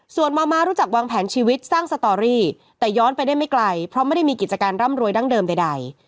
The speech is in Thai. ส่วนมม้ารู้จักวางแผนชีวิตสร้างสตอรี่แต่ย้อนไปได้ไม่ไกลเพราะไม่ได้มีกิจการร่ำรวยดั้งเดิมใด